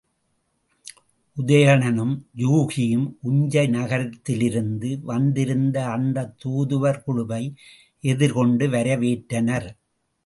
உதயணனும் யூகியும் உஞ்சை நகரத்திலிருந்து வந்திருந்த அந்தத் தூதுவர் குழுவை எதிர்கொண்டு வரவேற்றனர்.